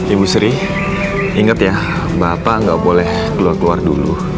ibu sri ingat ya bapak nggak boleh keluar keluar dulu